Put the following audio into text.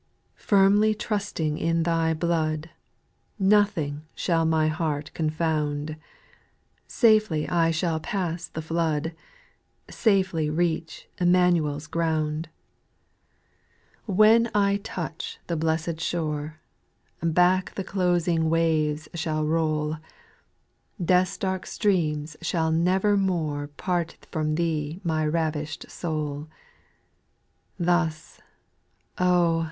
4. Firmly trusting in Thy blood, Nothing shall my heart confound ; Safely I shall pass the flood. Safely reach Immanuers ground. SPIRITUAL S0N08. 137 B. When I touch the blessed shore, Back the closing waves shall roll ; Death's dark stream shall never more Part from Thee my ravished soul. 6. Thus, oh